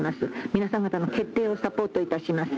皆さん方の決定をサポートいたします。